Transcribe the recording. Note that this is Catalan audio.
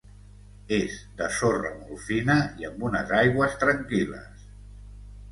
És de sorra molt fina i amb unes aigües tranquil·les.